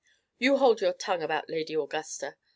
"You hold your tongue about Lady Augusta.